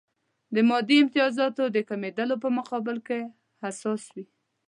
د مادي امتیازاتو د کمېدلو په مقابل کې حساس وي.